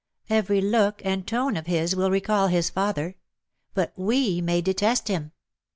Every look and tone of his will recall his father. But we may detest him.